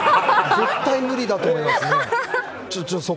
絶対に無理だと思いますね。